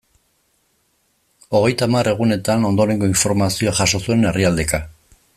Hogeita hamar egunetan ondorengo informazioa jaso zuen herrialdeka.